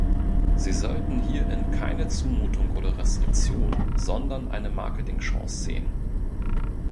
Sie sollten hierin keine Zumutung oder Restriktion, sondern eine Marketingchance sehen.